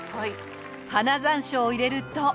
花山椒を入れると。